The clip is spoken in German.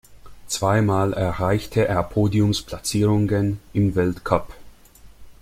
Zweimal erreichte er Podiums-Platzierungen im Weltcup.